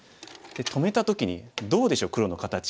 止めた時にどうでしょう黒の形。